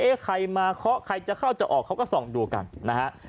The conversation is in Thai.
ใครมาเคาะใครจะเข้าจะออกเขาก็ส่องดูกันนะฮะ